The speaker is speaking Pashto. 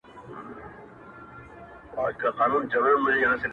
• پر کوترو به سوه جوړه د غم خونه ,